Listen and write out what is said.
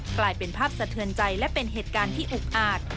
กลายเป็นภาพสะเทือนใจและเป็นเหตุการณ์ที่อุกอาจ